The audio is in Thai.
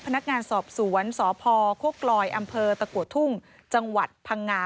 พนักงานสอบสวนสพโคกลอยอำเภอตะกัวทุ่งจังหวัดพังงา